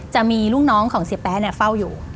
จะมีลูกน้องของเสียแป๊ะเฝ้าอยู่